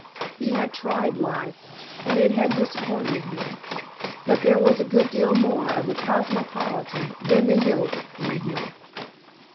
He had tried life, and it had disappointed him, but there was a good deal more of the cosmopolitan than the "yokel" in him.